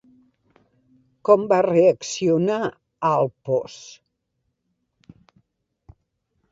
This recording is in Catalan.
Com va reaccionar Alpos?